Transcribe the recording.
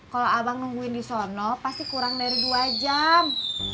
kalau abang nungguin di sono pasti kurang dari dua jam